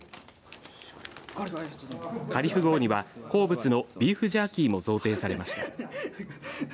カリフ号には、好物のビーフジャーキーも贈呈されました。